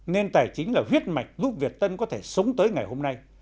nên tài chính là huyết mạch giúp việt tân có thể sống tới ngày hôm nay